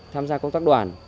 tham gia công tác đoàn